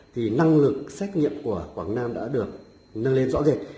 thì năng lực xét nghiệm của quảng nam đã được nâng lên rõ rệt